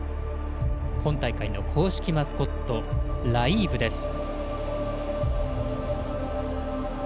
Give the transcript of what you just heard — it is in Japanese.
今大会の公式マスコットライーブです。